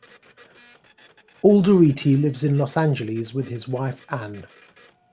Alderete lives in Los Angeles with his wife, Anne.